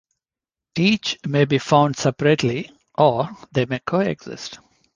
Each may be found separately, or they may coexist.